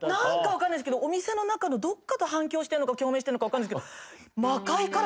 分かんないですけどお店の中のどっかと反響してんのか共鳴してんのか分かんないですけど。